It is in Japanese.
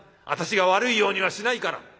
私が悪いようにはしないから」